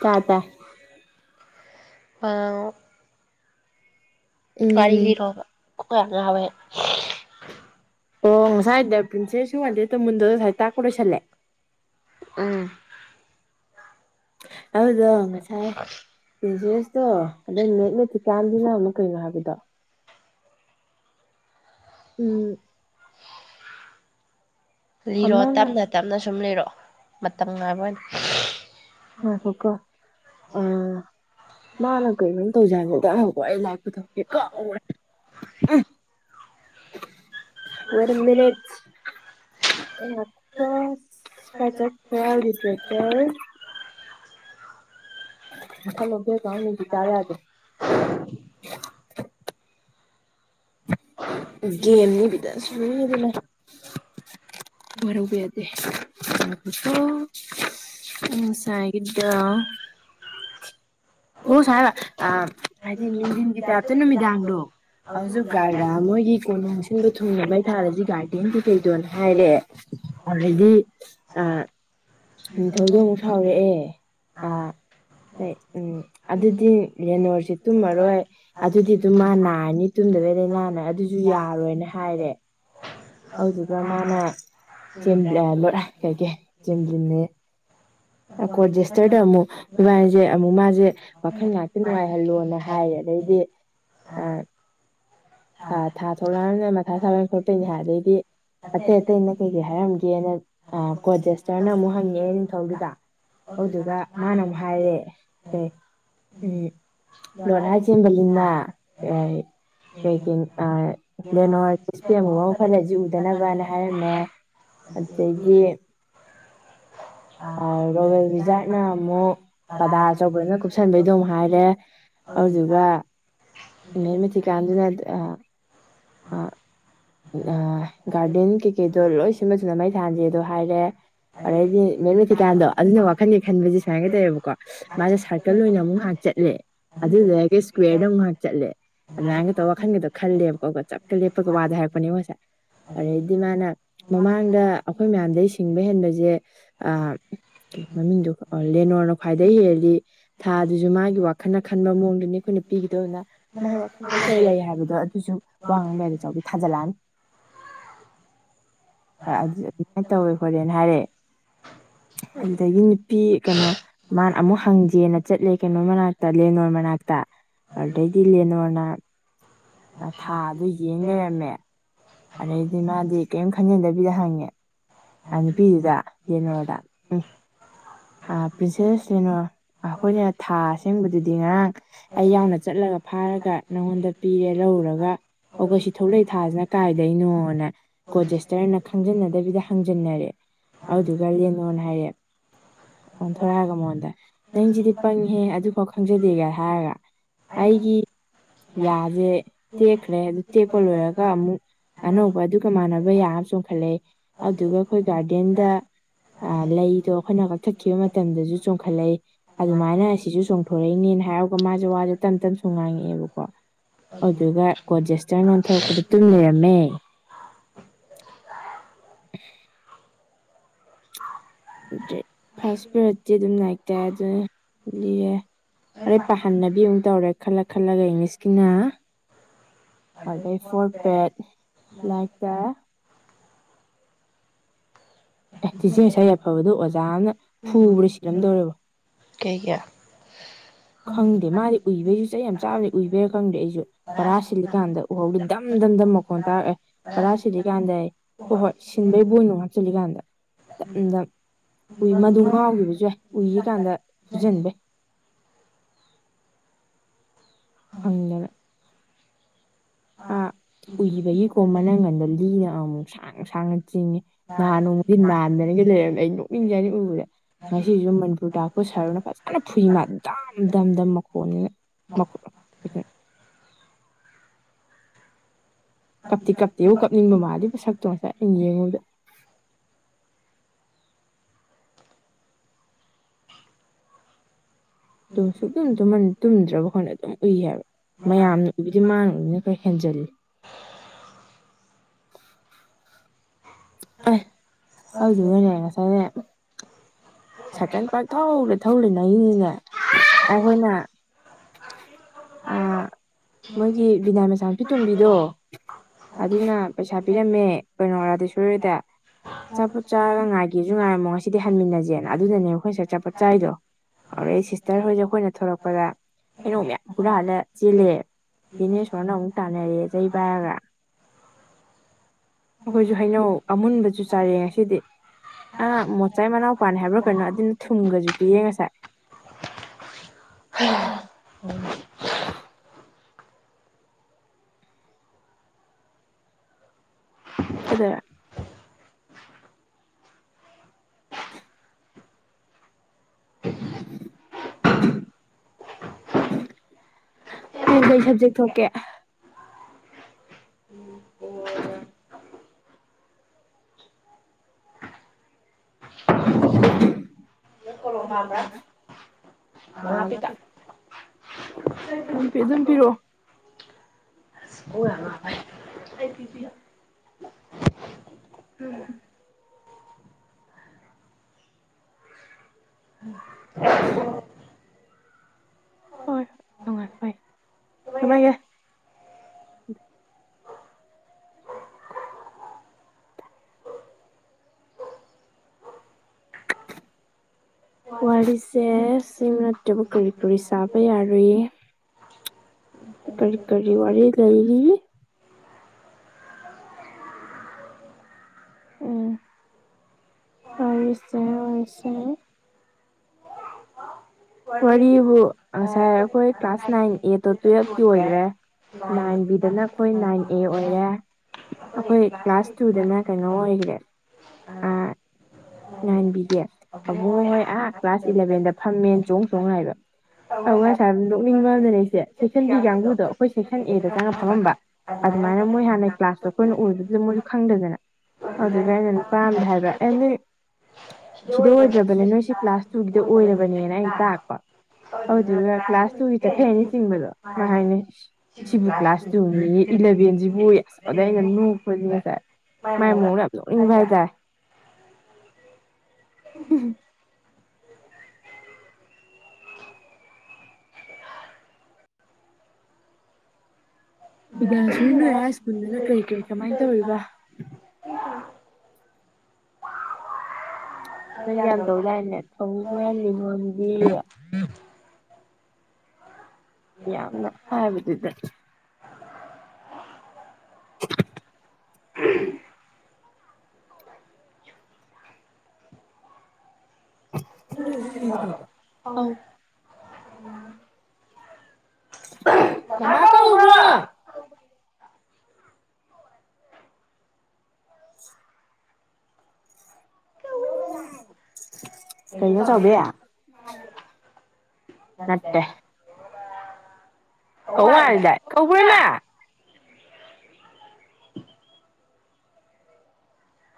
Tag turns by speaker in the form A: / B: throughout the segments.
A: ꯇꯥꯏ ꯇꯥꯏ
B: ꯒꯥꯔꯤ
A: ꯎꯝ
B: ꯂꯤꯔꯣꯕ ꯀꯣꯛꯌꯥꯝ ꯉꯥꯎꯋꯦ
A: ꯑꯣ ꯉꯁꯥꯏ ꯗꯥ ꯄ꯭ꯔꯤꯟꯁꯦꯁꯨ ꯋꯥꯟꯗꯦꯠ ꯗꯃꯨꯟꯗꯣ ꯉꯁꯥꯏ ꯇꯥꯛꯄ ꯂꯣꯏꯁꯜꯂꯦ
B: ꯎꯝ
A: ꯑꯗꯨꯗꯣ ꯉꯁꯥꯏ ꯄ꯭ꯔꯤꯟꯁꯦꯁ ꯇꯣ ꯑꯗꯨꯏ ꯃꯦꯠꯃꯦꯇꯤꯛ ꯌꯥꯝꯗꯤ ꯌꯥꯝꯃꯨ ꯀꯩ ꯍꯥꯏꯕꯗ
B: [inaudible]
A: ꯎꯝ
B: ꯂꯤꯔꯣ
A: ꯑꯃꯅ
B: ꯇꯝ ꯅ ꯇꯞꯅ ꯁꯨꯝ ꯂꯤꯔꯛꯑꯣ ꯃꯇꯝ ꯉꯥꯏꯕ ꯑꯣꯏꯅ
A: ꯉꯥꯏꯈꯣꯀꯣ ꯑ ꯃꯥꯅ ꯀꯩꯅꯣꯝ ꯇꯧꯖ ꯍꯧꯏ ꯐꯧꯗ ꯉꯥꯏꯈꯣꯀꯣ ꯑꯩ ꯂꯥꯏ ꯄꯨꯊꯣꯛꯀꯦꯀꯣ ꯎꯔꯦ ꯋꯦꯠ ꯑ ꯃꯤꯅꯤꯠꯁ [unintelligible] [unintelligible] ꯒꯦꯝꯅꯦꯕꯤꯗ ꯁꯣꯏꯗꯅ ꯋꯥꯔꯧꯕ ꯌꯥꯗꯦ ꯉꯥꯏꯈꯣꯀꯣ ꯉꯁꯥꯏꯒꯤꯗꯣ ꯑꯣ ꯁꯥꯏ ꯍꯥꯏꯕ ꯑ ꯍꯥꯏꯗꯤ ꯅꯨꯡꯊꯤꯟꯒꯤ ꯇꯥꯏꯄꯇ ꯅꯨꯃꯤꯗꯥꯡꯗꯣ ꯍꯧꯖꯛ ꯒꯥꯔ ꯃꯣꯏꯒꯤ ꯀꯣꯅꯨꯡꯣꯟꯁꯤꯟꯕ ꯊꯨꯡꯅ ꯃꯩ ꯊꯥꯟꯂꯤꯁꯤ ꯒꯥꯔꯗꯦꯟꯗꯤ ꯀꯩ ꯀꯩꯗꯣꯅ ꯍꯥꯏꯔꯦ ꯑꯗꯨꯔꯗꯤ ꯑ ꯅꯤꯡꯊꯧꯗꯣ ꯑꯃꯨꯛ ꯁꯥꯎꯔꯛꯑꯦ ꯑꯥ ꯀꯩ ꯎꯝ ꯑꯗꯨꯗꯤ ꯔꯦꯅꯣꯔꯁꯦ ꯇꯨꯝꯃꯔꯣꯏ ꯑꯗꯨꯗꯤ ꯑꯗꯨꯝ ꯃꯥ ꯅꯥꯔꯅꯤ ꯇꯨꯝꯗꯕꯩ ꯂꯅꯥꯅ ꯑꯗꯨꯁꯨ ꯌꯥꯔꯣꯏꯅ ꯍꯥꯏꯔꯦ [unintelligible] ꯑꯀꯣꯔꯔꯖꯦꯁꯇꯔꯗ ꯑꯃꯨꯛ ꯃꯥꯖꯦ ꯑꯃꯨꯛ ꯃꯥꯖꯦ ꯋꯥꯈꯜ ꯉꯥꯛꯇ ꯅꯨꯡꯉꯥꯏꯍꯜꯂꯣꯅ ꯍꯥꯏꯌꯦ ꯑꯗꯩꯗꯤ
B: ꯐꯥ
A: ꯊ ꯊꯥ ꯊꯣꯛꯂꯛꯑꯅꯤꯅ ꯃꯊꯥ ꯁꯥꯕ ꯈꯣꯠꯇꯣꯏꯅꯦ ꯍꯥꯏ ꯑꯗꯩꯗꯤ ꯑꯇꯩ ꯑꯇꯩꯅ ꯀꯩ ꯀꯩ ꯍꯥꯏꯔꯝꯒꯦꯅ ꯀꯣꯖꯦꯁꯇꯔꯅ ꯑꯃꯨꯛ ꯍꯪꯉꯛꯑꯦ ꯅꯤꯡꯊꯧꯗꯨꯗ ꯑꯗꯨꯗꯨꯒ ꯃꯥꯅ ꯑꯃꯨꯛ ꯍꯥꯏꯔꯦ ꯀꯩ ꯎꯝ ꯂꯣꯟ ꯍꯥꯏꯁꯕꯅꯤꯅ ꯀ [unintelligible] ꯑꯗꯩꯗꯤ ꯔꯣꯌꯦꯜ ꯕꯤꯖꯥꯔꯠꯅ ꯑꯃꯨꯛ ꯄꯗꯥꯔ ꯑꯆꯧꯕꯅ ꯀꯨꯞꯁꯟꯕꯩꯗꯣ ꯑꯃꯨꯛ ꯍꯥꯏꯔꯦ ꯑꯗꯨꯗꯨꯒ ꯃꯦꯃꯦꯊꯤꯀꯥꯟꯗꯨꯅ ꯑ ꯑꯩ ꯒꯥꯔꯗꯦꯟ ꯀꯩꯀꯩꯗꯣ ꯂꯣꯏ ꯁꯤꯟꯕꯕꯁꯤꯅ ꯃꯩ ꯊꯥꯟꯂꯦꯗꯣ ꯍꯥꯏꯔꯦ ꯑꯗꯩꯗꯤ ꯃꯦꯟꯂ ꯊꯤꯀꯥꯟꯗꯣ ꯑꯗꯨꯅ ꯋꯥꯈꯜꯒꯤ ꯈꯟꯕꯁꯦ ꯁꯨꯃꯥꯏꯅ ꯀꯩꯑꯕꯀꯣ ꯃꯥꯁ ꯁꯥꯔꯀꯜ ꯑꯣꯏꯅ ꯑꯃꯨꯛ ꯉꯥꯏꯍꯥꯛ ꯆꯠꯂꯦ ꯑꯗꯨꯗꯒ ꯏꯁꯀ꯭ꯋꯔꯗ ꯑꯃꯨꯛ ꯉꯥꯛꯍꯥꯛ ꯆꯠꯂꯦ ꯑꯗꯨꯃꯥꯏꯅꯒꯇꯧ ꯋꯥꯈꯜꯒꯤꯗꯣ ꯈꯜꯂꯦꯕꯀꯣ ꯆꯞꯀ ꯂꯦꯞꯄꯒ ꯋꯥꯗ ꯍꯥꯏꯔꯛꯄꯅꯦꯕ ꯉꯁꯥꯏ ꯑꯗꯩꯗꯤ ꯃꯥꯅ ꯃꯃꯥꯡꯗ ꯑꯩꯈꯣꯏ ꯃꯌꯥꯝꯗꯩ ꯁꯤꯡꯕ ꯍꯦꯟꯕꯖꯦ ꯑ ꯃꯃꯤꯡꯗꯣ ꯀꯥꯎ ꯂꯦꯅꯣꯔꯅ ꯈ꯭ꯋꯥꯏꯗꯒꯤ ꯍꯦꯜꯂꯤ ꯊꯥꯗꯨꯖꯨ ꯃꯥꯒꯤ ꯋꯥꯈꯜꯅ ꯈꯟꯕ ꯃꯑꯣꯡꯗꯨꯅꯤ ꯑꯩꯈꯣꯏꯅ ꯄꯤꯈꯤꯗꯣꯅ ꯃꯥꯩ ꯋꯥꯐꯝꯗ ꯀꯔꯤ ꯂꯩ ꯍꯥꯏꯕꯗꯣ ꯑꯗꯨꯁꯨ ꯋꯥ ꯉꯥꯡꯕ ꯌꯥꯗꯦꯗ ꯆꯥꯎꯕꯤ ꯊꯥꯖꯤꯜꯂꯛꯑꯅꯤ ꯑꯗꯨꯃꯥꯏꯅ ꯇꯧꯋꯦ ꯍꯣꯂꯦꯅ ꯍꯥꯏꯔꯦ ꯑꯗꯨꯗꯒꯤ ꯅꯨꯄꯤ ꯀꯩꯅꯣ ꯃꯥꯅ ꯑꯃꯨꯛ ꯍꯪꯖꯦꯅ ꯆꯠꯂꯦ ꯀꯩꯅꯣ ꯃꯅꯥꯛꯇ ꯂꯦꯅꯣꯟ ꯃꯅꯥꯛꯇ ꯑꯗꯩꯗꯤ ꯂꯦꯅꯣꯔꯅ ꯊꯥꯗ ꯌꯦꯡ ꯂꯩꯔꯝꯃꯦ ꯑꯗꯩꯗꯤ ꯃꯥꯗꯤ ꯀꯩꯌꯝ ꯈꯟꯖꯤꯟꯗꯕꯤꯗ ꯍꯪꯉꯦ ꯑ ꯅꯨꯄꯤꯗꯨꯗ ꯌꯦꯅꯣꯗ ꯎꯝ ꯑ ꯄ꯭ꯔꯤꯟꯁꯦꯁ ꯂꯦꯅꯣꯔ ꯑꯈꯣꯏꯅ ꯊꯥ ꯑꯁꯦꯡꯕꯗꯨꯗꯤ ꯉꯔꯥꯡ ꯑꯩ ꯌꯥꯎꯅ ꯆꯠꯂꯒ ꯐꯥꯔꯒ ꯅꯪꯉꯣꯟꯗ ꯄꯤꯔꯦ ꯂꯧꯔꯨꯔꯒ ꯑꯣ ꯀ ꯁꯤ ꯊꯣꯛꯂꯛ ꯊꯁꯤꯅ ꯀꯥꯏꯗꯩꯅꯣꯅ ꯀꯣꯖꯦꯁꯇꯔꯅ ꯈꯪꯖꯟꯅꯗꯕꯤꯗ ꯍꯪꯖꯤꯟꯅꯔꯦ ꯑꯗꯨꯗꯨꯒ ꯂꯦꯅꯣꯔꯅ ꯍꯥꯏꯌꯦ ꯑꯣꯟꯊꯣꯔꯛꯑꯒ ꯃꯉꯣꯟꯗ ꯅꯪꯁꯤꯗꯤ ꯄꯪꯉꯍꯦ ꯑꯗꯨꯐꯥꯎ ꯈꯪꯖꯗꯦꯒ ꯍꯥꯏꯔꯒ ꯑꯩꯒꯤ ꯌꯥꯁꯦ ꯇꯦꯛꯈ꯭ꯔꯦ ꯑꯗꯨ ꯇꯦꯛꯄ ꯂꯣꯏꯔꯒ ꯑꯃꯨꯛ ꯑꯅꯧꯕ ꯑꯗꯨꯒ ꯃꯥꯟꯅꯕ ꯌꯥꯕ ꯆꯣꯡꯈꯠꯂꯛꯦ ꯑꯗꯨꯒ ꯑꯩꯈꯣꯏ ꯒꯥꯔꯗꯦꯟꯗ ꯂꯩꯗꯣ ꯑꯩꯈꯣꯏꯅ ꯀꯛꯊꯠꯈꯤꯕ ꯃꯇꯝꯗꯁꯨ ꯆꯣꯡꯈꯠꯂꯛꯏ ꯑꯗꯨꯃꯥꯏꯅ ꯁꯤꯁꯨ ꯆꯣꯡꯊꯣꯔꯛꯏꯅꯦꯅ ꯍꯥꯏꯔꯒ ꯃꯥꯁꯦ ꯋꯥꯁꯦ ꯇꯞ ꯇꯞ ꯁꯣꯡ ꯉꯥꯡꯉꯛꯑꯦꯕꯀꯣ ꯑꯗꯨꯒ ꯒꯣꯖꯦꯁꯇꯔ ꯟꯊꯣꯔꯛꯄꯗ ꯇꯨꯝ ꯂꯩꯔꯝꯃꯦ ꯑꯗꯨꯩ ꯐꯥꯔꯁ ꯄ꯭ꯔꯁꯇꯤ ꯑꯗꯨꯝ ꯅꯥꯏꯛꯇꯦ ꯑꯗꯨꯅ ꯂꯤꯔꯦ ꯑꯔꯩ ꯄꯥꯍꯟꯅꯕꯤ ꯑꯃꯨꯛ ꯇꯧꯔꯦ ꯈꯜꯂ ꯈꯜꯂꯒ ꯏꯪꯂꯤꯁꯀꯤꯅ order for pet like the a ꯇꯤꯆꯦ ꯉꯁꯥ ꯑꯏꯐꯕꯗꯣ ꯑꯣꯖꯥꯅ ꯐꯨꯕ꯭ꯔꯥ ꯁꯤꯔꯝꯗꯧꯔꯦꯕꯣ
B: ꯀ
A: ꯈꯪꯗꯦ ꯃꯥꯗꯤ ꯎꯏꯕꯩꯁꯨ ꯆꯍꯤ ꯌꯥꯝ ꯆꯥꯕꯗꯤ ꯎꯏꯕꯩꯔꯥ ꯈꯪꯗꯦ ꯑꯩꯁꯨ ꯄꯔꯥ ꯁꯤꯜꯂꯤꯀꯥꯟꯗ ꯎꯍꯧꯗꯤ ꯗꯝ ꯗꯝ ꯗꯝ ꯃꯈꯣꯟ ꯇꯥꯔꯛꯑꯦ ꯄꯔꯥ ꯁꯤꯗꯤ ꯀꯥꯟꯗ ꯑꯩ ꯍꯣꯏ ꯍꯣꯏ ꯁꯤꯟꯕꯩꯕꯨꯅꯣ ꯍꯥꯞꯆꯜꯂꯤꯂꯤꯀꯥꯟꯗ
B: ꯎ
A: ꯎꯏ ꯃꯗꯨ ꯉꯥꯎꯈꯤꯕꯁꯨ ꯌꯥꯏ ꯎꯏꯒꯤ ꯀꯥꯟꯗ ꯊꯨꯖꯟꯕꯦ ꯐꯪꯅ ꯑꯥ ꯎꯈꯤꯕꯒꯤꯀꯣ ꯃꯅꯥꯪꯒꯟꯗ ꯂꯤꯅ ꯑꯃꯨꯛ ꯁꯥꯡ ꯁꯥꯡꯅ ꯆꯤꯡꯉꯤ ꯅꯍꯥꯟ ꯅꯣꯡꯃꯗꯤ ꯅꯥꯟꯗꯅꯤꯒ ꯂꯩꯔꯝꯅ ꯑꯩ ꯅꯣꯛꯅꯤꯡꯖꯦ ꯍꯥꯏꯅꯤ ꯎꯕꯗ ꯉꯁꯤꯁꯨ ꯃꯅꯤꯄꯨꯔ ꯇꯥꯛꯄ ꯁꯔꯨꯅ ꯐꯖꯅ ꯐꯨꯏ ꯃꯥ ꯗꯝ ꯗꯝ ꯗꯝ ꯃꯈꯣꯟꯅꯤꯅ ꯃꯈꯔꯦ ꯀꯞꯇꯤ ꯀꯞꯇꯦꯕꯨꯨ ꯀꯞꯅꯤꯡꯕ ꯃꯥꯗꯤ ꯄꯣ ꯁꯛꯇꯣ ꯉꯁꯥꯏ ꯑꯩꯅ ꯌꯦꯡꯉꯨꯗ
B: [inaudible]
A: ꯁꯨꯛꯝ ꯇꯨꯝꯗ꯭ꯔꯕꯈꯣꯏꯅ ꯑꯗꯨꯝ ꯎꯏ ꯍꯥꯏꯕ ꯃꯌꯥꯝ ꯑꯗꯨꯕꯨꯗꯤ ꯃꯥꯡꯕꯅꯤꯅ ꯈꯔ ꯍꯦꯟꯖꯜꯂꯤ ꯑ ꯍꯧꯗꯨ ꯍꯅꯦ ꯉ ꯆꯅꯦ ꯁꯥꯏꯀꯦꯟ ꯄꯥꯥꯛ ꯊꯧꯔꯦ ꯊꯧꯔꯦ ꯅꯅꯤꯅꯦ ꯑꯩꯈꯣꯏꯅ ꯑꯥ ꯃꯣꯏꯒꯤ ꯕꯤꯅꯥꯏ ꯃꯆꯥꯅꯨꯄꯤ ꯇꯣꯝꯕꯤꯗꯣ ꯑꯗꯨꯅ ꯄꯩꯁꯥ ꯄꯤꯔꯝꯃꯦ ꯀꯩꯅꯣ ꯔꯥꯙꯦꯁꯣꯔꯗ ꯆꯆꯥꯄꯣꯠ ꯆꯥꯔꯒ ꯉꯥꯏꯒꯦꯁꯨ ꯉꯥꯏꯔꯝꯃꯣ ꯉꯁꯤꯗꯤ ꯍꯟꯃꯤꯟꯅꯁꯦꯅ ꯑꯗꯨꯅꯅꯦꯕ ꯑꯩꯈꯣꯏ ꯉꯁꯛ ꯆꯆꯥꯄꯣꯠ ꯆꯥꯔꯤꯗꯣ ꯑꯗꯨꯗ ꯑꯩ ꯁꯤꯁꯇꯔ ꯍꯣꯏꯁꯦ ꯑꯩꯈꯣꯏꯅ ꯊꯂꯛꯄꯗ ꯍꯩꯅꯧ ꯃꯌꯥꯝ ꯍꯨꯔꯜꯂ ꯆꯦꯜꯂꯦ ꯖꯤꯅꯦꯁ ꯍꯣꯔꯅ ꯑꯃꯨꯛ ꯇꯥꯟꯅꯔꯦꯖꯩ ꯒ ꯑꯩꯈꯣꯏꯁꯨ ꯍꯩꯅꯧ ꯑꯃꯨꯟꯕꯁꯨ ꯆꯥꯔꯦ ꯉꯁꯤꯗꯤ ꯑ ꯃꯣꯆꯥꯏ ꯃꯅꯥꯎ ꯃꯄꯥꯟ ꯍꯥꯏꯕ꯭ꯔꯥ ꯀꯩꯅꯣ ꯑꯗꯨꯅ ꯊꯨꯝꯒꯁꯨ ꯄꯤꯌꯦ ꯉꯁꯥꯏ
B: ꯎꯝ
A: ꯎ ꯑꯗꯨꯗ
B: [inaudible]
A: ꯍꯦꯡ ꯀꯩ ꯁꯕꯖꯦꯛ ꯊꯣꯛꯀꯦ
B: ꯝꯕ꯭ꯔ ꯑ ꯉꯄꯤꯤꯇ
A: ꯑꯗꯨꯝ ꯑꯗꯨꯝ ꯄꯤꯔꯛꯑꯣ
B: ꯑꯣꯉ ꯐꯥꯏ ꯑꯩꯁꯤꯁꯤ [inaudible]
A: ꯎꯝ
B: ꯎꯝ
A: ꯍ ꯍꯣꯏ ꯍꯣꯏ ꯅꯨꯡꯉꯥꯏ ꯍꯣꯏ ꯀꯃꯥꯏꯒꯦ ꯋꯥꯔꯤꯁꯦ ꯁꯤ ꯅꯠꯇꯕ ꯀꯔꯤ ꯀꯔꯤ ꯁꯥꯕ ꯌꯥꯔꯨꯏ ꯀꯔꯤ ꯀꯔꯤ ꯋꯥꯔꯤ ꯂꯩꯔꯤ ꯎꯝ ꯑꯣꯏꯁꯦ ꯑꯣꯏꯁꯦ ꯋꯥꯔꯤꯕꯨ ꯉꯁꯥꯏ ꯑꯩꯈꯣꯏ ꯀ꯭ꯂꯥꯁ ꯅꯥꯏꯟ ꯑꯦꯠꯇꯣ ꯇꯨꯋꯜꯕꯀꯤ ꯑꯣꯏꯈ꯭ꯔꯦ ꯅꯥꯏꯟ ꯕꯤꯗꯅ ꯑꯩꯈꯣꯏ ꯅꯥꯏꯟ ꯑꯦ ꯑꯣꯏꯔꯦ ꯑꯩꯈꯣꯏ ꯀ꯭ꯂꯥꯁ ꯇꯨꯗꯅ ꯀꯩꯅꯣ ꯑꯣꯏꯈ꯭ꯔꯦ
B: ꯑ
A: ꯅꯥꯟꯕꯤꯒꯦ ꯑꯕꯨꯡꯉꯣ ꯍꯣꯏ ꯑꯥ ꯀ꯭ꯂꯥꯁ ꯏꯂꯚꯦꯟꯗ ꯐꯝꯃꯦꯟ ꯆꯣꯡ ꯆꯣꯡ ꯂꯥꯛꯏꯕ [unintelligible] ꯅꯣꯛꯅꯤꯡꯕꯃꯅꯅꯦ ꯏꯆ‌ꯦ ꯁꯦꯛꯁꯟ ꯕꯤ ꯀꯥꯡꯕꯨꯗꯣ ꯑꯈꯣꯏ ꯁꯦꯛꯁꯟ ꯑꯦꯗ ꯆꯪꯉ ꯐꯝꯃꯝꯕ ꯑꯗꯨꯃꯥꯏꯅ ꯃꯣꯏ ꯍꯥꯟꯅꯩ ꯀ꯭ꯂꯥꯁꯇꯣ ꯑꯈꯣꯏꯅ ꯎꯕꯗꯨꯗ ꯃꯣꯏꯁꯨ ꯈꯪꯗꯗꯅ ꯑꯗꯨꯗꯩ ꯑꯩꯅ ꯅꯨꯄꯥꯝꯗ ꯍꯥꯏꯕ ꯑꯦꯅꯤ ꯁꯤꯗ ꯑꯣꯏꯗ꯭ꯔꯕꯅꯦ ꯅꯣꯏꯁꯤ ꯀ꯭ꯂꯥꯁ ꯇꯨꯒꯤꯗ ꯑꯣꯏꯔꯕꯅꯦꯅ ꯑꯩꯟ ꯇꯥꯛꯄ ꯑꯎꯗꯨꯒ ꯀ꯭ꯂꯥꯁ ꯇꯨꯒꯤ ꯆꯠꯈꯩꯑꯅꯤ ꯆꯤꯡꯕꯗꯣ ꯃꯥ ꯍꯥꯏꯅꯦ ꯏꯁ ꯁꯤꯕꯨ ꯀ꯭ꯂꯥꯁ ꯇꯨꯅꯤꯌꯦ ꯏꯂꯚꯦꯟꯁꯤꯕꯨ ꯑꯌꯦ ꯑꯗꯩ ꯑꯩꯅ ꯅꯣꯛꯄꯖꯦꯛꯇ ꯃꯥꯏ ꯃꯑꯣꯡ ꯅꯣꯛꯅꯤꯡꯕ ꯍꯥꯢ ꯇꯥ ꯎꯍꯝ ꯄꯤꯗꯥꯌꯥꯁꯨꯔꯤ ꯅꯣꯏ ꯍꯥꯢ ꯁ꯭ꯀꯨꯜꯗꯨꯅ ꯀꯔꯤ ꯀꯔꯤ ꯀꯃꯥꯏꯟ ꯇꯧꯔꯤꯕ
B: [unintelligible]
A: ꯅꯪ ꯌꯥꯝ ꯇꯧꯗꯥꯏꯅꯦ [unintelligible]
B: [inaudible]
A: ꯌꯥꯝꯅ ꯍꯥꯏꯕꯗꯨꯗ [inaudible] [unintelligible] ꯃꯃꯥ ꯀꯧꯕ꯭ꯔꯣ ꯀꯩꯅꯣ ꯆꯥꯎꯕꯤ
B: ꯅꯠꯇꯦ
A: ꯀꯧ ꯃꯥꯟꯅꯤꯗ ꯀꯧꯕ꯭ꯔꯥ ꯏꯃꯥ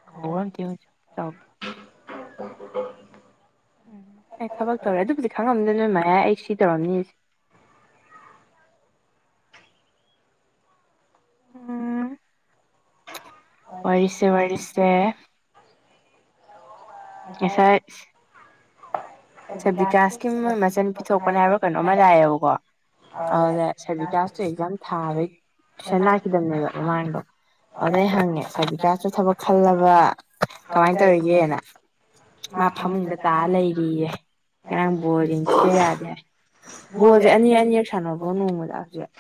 A: ꯀꯧꯕ꯭ꯔ ꯑꯝꯇ ꯌꯦꯡꯉꯨꯆꯣ ꯆꯥꯎ
B: [inaudible]
A: ꯎꯝ ꯑꯩ ꯊꯕꯛ ꯇꯧꯔꯦ ꯑꯗꯨꯕꯨꯗꯤ ꯈꯪꯉꯝꯅꯤꯗ ꯅꯣꯏ ꯃꯌꯥꯢ ꯑꯩ ꯁꯤ ꯇꯧꯔꯝꯅꯤꯁꯦ ꯎꯝ ꯋꯥꯔꯤꯁꯦ ꯋꯥꯔꯤꯁꯦ ꯉꯁꯥꯏ ꯁꯥꯔ ꯕꯤꯀꯥꯁꯀꯤ ꯃꯣꯢ ꯃꯆꯟ ꯅꯨꯄꯤ ꯊꯣꯛꯄꯅꯦ ꯍꯥꯏꯕ꯭ꯔ ꯀꯩꯅꯣꯝꯃ ꯅꯥꯛꯑꯦꯕꯀꯣ ꯑꯅꯦ ꯁꯔ ꯕꯤꯀꯥꯁꯇꯣ ꯑꯦꯛꯖꯥꯝ ꯊꯥꯕꯩ ꯇ꯭ꯨꯏꯁꯟ ꯂꯥꯛꯈꯤꯗꯕꯅꯦꯕ ꯃꯃꯥꯡꯗꯣ ꯑꯗꯥ ꯑꯩ ꯍꯪꯉꯦ ꯁꯔꯕꯤꯀꯥꯁꯇꯣ ꯊꯕꯛ ꯈꯜꯂꯕ ꯀꯃꯥꯏꯟ ꯇꯧꯔꯤꯒꯦꯅ ꯃꯥ ꯐꯃꯨꯡꯗ ꯇꯥ ꯂꯩꯔꯤꯌꯦ ꯉꯔꯥꯡ ꯕꯣꯜ ꯌꯦꯡꯁꯤ ꯌꯥꯗꯦ ꯍꯥꯢ ꯕꯣꯜꯖꯦ ꯑꯅꯤ ꯑꯅꯤꯔꯛ ꯁꯥꯟꯅꯕꯣ ꯅꯣꯡꯃꯗ ꯍꯧꯖꯤꯛ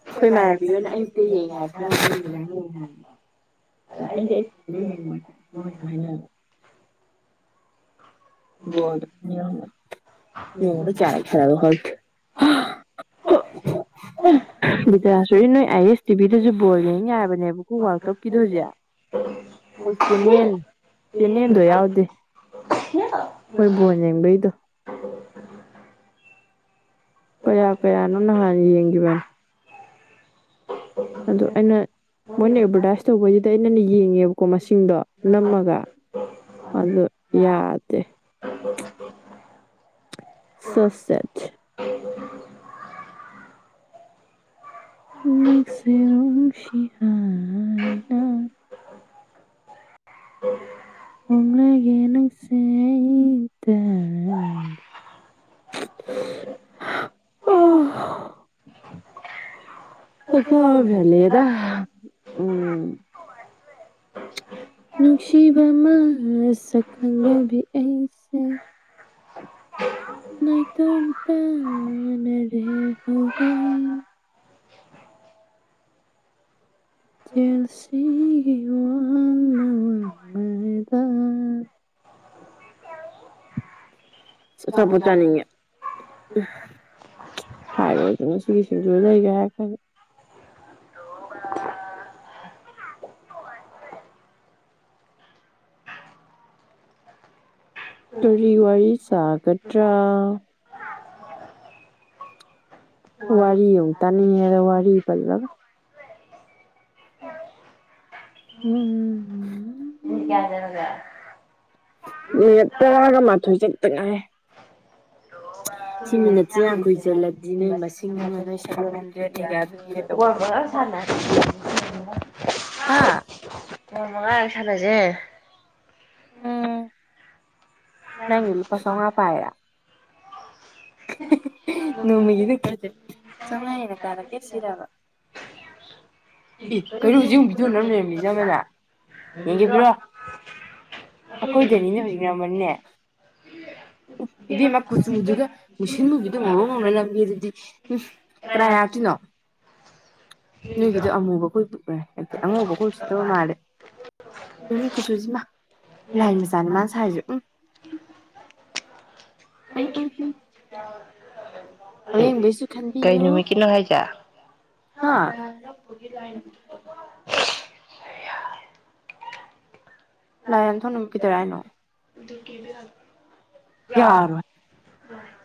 B: [unintelligible]
A: [unintelligible] ꯑꯩꯗꯤ ꯑꯩ [unintelligible] ꯕꯣꯜ ꯗꯣ ꯑꯅꯤꯔꯛ ꯑꯍꯨꯝꯂꯛ ꯅꯣꯡꯃꯗ ꯀꯥꯌꯥꯔꯛ ꯁꯅꯕꯅꯣ ꯈꯪꯗꯦ
B: [unintelligible]
A: ꯑꯩ ꯑꯍꯝ ꯕꯤꯗꯁꯣꯔꯤ ꯅꯣꯏ ꯑꯥꯏ ꯑꯦꯁ ꯇꯤꯚꯤꯗꯁꯨ ꯕꯣꯜ ꯌꯦꯡ ꯌꯥꯕꯅꯦꯕꯀꯣ ꯋꯥꯔꯜ ꯀꯞꯀꯤꯗꯣ ꯖꯤꯛ ꯆꯦꯅꯦꯜꯗꯣ
B: [unintelligible]
A: ꯍꯣꯏ ꯕꯣꯟ ꯌꯦꯡꯕꯩꯗꯣ
B: [inaudible]
A: ꯀꯌꯥ ꯀꯌꯥꯅꯣ ꯅꯍꯥꯟ ꯌꯦꯡꯒꯤꯕꯅꯦ ꯑꯗꯣ ꯑꯩꯅ
B: [inaudible]
A: ꯃꯣꯏꯅ ꯑꯦꯗꯚꯔꯗꯥꯏꯁ ꯇꯧꯕꯩꯗ ꯑꯩꯅ ꯌꯦꯡꯉꯦꯕꯀꯣ ꯃꯁꯤꯡꯗꯣ ꯅꯝꯃꯒ ꯑꯗꯣ ꯌꯥꯗꯦ
B: [inaudible]
A: ꯁꯣ ꯁꯦꯠ꯫
B: [inaudible]
A: ꯅꯡꯁꯦ ꯅꯨꯡꯁꯤꯅ ꯍꯣꯡꯂꯒꯦ ꯅꯪꯁꯦ ꯑꯩꯇ
B: ꯍ [inaudible]
A: ꯑ [inaudible]
B: ꯎ [inaudible]
A: ꯅꯨꯡꯁꯤꯕ ꯃꯥꯁꯛ ꯈꯪꯗꯕꯤ ꯑꯩꯁꯦ ꯅꯣꯏ ꯇ ꯇꯅ ꯔꯦ ꯍꯧꯔꯦ [inaudible] ꯔꯁꯤꯒꯤ ꯋꯥ ꯃꯋꯥ ꯃꯗ [inaudible] ꯑꯆꯥꯄꯣꯠ ꯆꯥꯅꯤꯡꯉꯦ ꯍꯥꯏꯔꯨꯔꯒ ꯉꯁꯤꯒꯤ ꯁꯤꯡꯁꯨ ꯂꯩꯒꯔꯦ ꯍꯥꯏꯔꯛꯒꯅꯤ ꯀꯔꯤ ꯋꯥꯔꯤ ꯁꯥꯒꯗ꯭ꯔꯥ ꯋꯥꯔꯤ ꯑꯃꯨꯛ ꯇꯅꯤꯡꯉꯦꯗ ꯋꯥꯔꯤ ꯄꯜꯂꯒ ꯎꯝꯝ
B: ꯌꯦ ꯀꯗꯒ [inaudible]
A: ꯃꯤꯅꯠ ꯇꯔꯥꯒ ꯃꯥꯊꯣꯏ ꯆꯥꯠꯇ ꯉꯥꯏ ꯁꯤ ꯃꯤꯅꯥꯠꯁꯦ ꯌꯥꯝ ꯀꯨꯏꯁꯤꯜꯂꯗꯤ ꯅꯣꯏ ꯃꯁꯤꯡ ꯑꯃ ꯅꯣꯏ ꯁ
B: ꯋꯥ ꯁꯥꯟꯅ [inaudible]
A: ꯍꯥꯥ
B: ꯃꯉꯥꯔꯛ ꯁꯥꯟꯅꯁꯦ
A: ꯅꯪꯒꯤꯗꯣ ꯂꯨꯄꯥ ꯆꯥꯎꯉꯥ ꯄꯥꯢꯔꯥ ꯅꯣꯡꯃꯒꯤꯗꯨ [inaudible] ꯐꯁꯦ ꯆꯃꯥꯏ ꯍꯦꯟꯅ ꯇꯥꯔꯛꯀꯦ ꯁꯤꯔꯕ ꯏ ꯀꯩꯅꯣꯖꯤꯨꯝꯗꯨ ꯅ ꯂꯩꯔꯝꯃꯤꯗ ꯑꯃꯅ ꯌꯦꯡꯕꯤꯔꯣ [inaudible] ꯑꯩꯈꯣꯏꯗꯅꯤꯅꯦ ꯍꯧꯖꯤꯛ ꯉꯃꯜꯅꯦ [inaudible] ꯏꯕꯦꯝꯃ ꯀꯨꯆꯨꯗꯨꯒ ꯃꯨꯁꯤꯟ ꯃꯨꯕꯤꯗꯣ ꯉꯧꯔꯣꯛ ꯉꯧꯅ ꯀꯦꯔꯗꯤ ꯀꯌꯥꯔꯛꯒꯤꯅꯣ ꯅꯣꯏꯒꯤꯗꯣ ꯑꯃꯨꯕ ꯈꯣꯏ ꯍꯥꯏꯗꯤ ꯑꯉꯧꯕ ꯈꯣꯏ ꯎꯁꯤꯠꯇꯕ ꯃꯥꯜꯂꯦ ꯀꯨꯆꯨꯁꯤꯃ ꯂꯥꯏꯟ ꯃꯆꯥꯅꯦ ꯃꯅꯥ ꯁꯥꯢꯁꯦ
B: [inaudible]
A: ꯑ ꯑ ꯎ [inaudible]
B: ꯀ [inaudible]
A: ꯥꯑꯌꯦꯡꯕꯩꯁꯨ
B: ꯀꯩ ꯅꯨꯃꯤꯠꯒꯤꯅꯣ ꯍꯥꯢꯖꯦ
A: ꯍꯥ
B: ꯂꯤ [inaudible] ꯑ
A: ꯂꯥꯏ ꯌꯥꯝ ꯊꯧꯅ ꯀꯩꯗꯧꯔꯦ ꯍꯥꯏꯅꯣ
B: ꯑꯗꯨ ꯌꯥ
A: ꯌꯥꯔꯣꯏ
B: [inaudible] ꯎꯝ [inaudible]